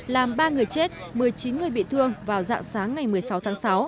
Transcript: làm ba người chết một mươi chín người bị thương vào dạng sáng ngày một mươi sáu tháng sáu